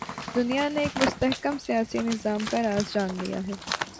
دنیا نے ایک مستحکم سیاسی نظام کا راز جان لیا ہے۔